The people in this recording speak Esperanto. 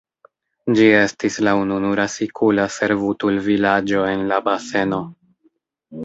Ĝi estis la ununura sikula servutulvilaĝo en la baseno.